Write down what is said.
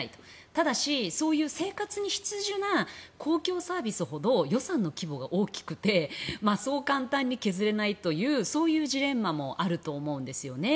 ただし、そういう生活に必需な公共サービスほど予算の規模が大きくてそう簡単に削れないというそういうジレンマもあると思うんですね。